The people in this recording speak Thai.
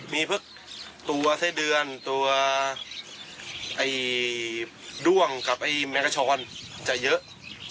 มีเพิ่งตัวไส้เดือนตัวไอ้ด่วงกับไอ้แมลงกระชรจะเยอะ